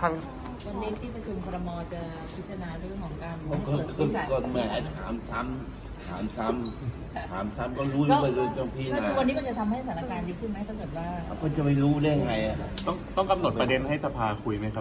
อันนี้ที่ประชุมภรอเรฟมีมในการถามสำเริ่ม